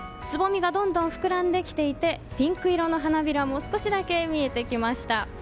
つぼみがどんどん膨らんできていてピンク色の花びらも少しだけ見えてきました。